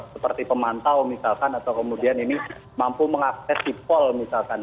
seperti pemantau misalkan atau kemudian ini mampu mengakses sipol misalkan